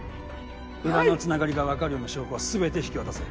裏のつながりが分かるような証拠はすべて引き渡せ。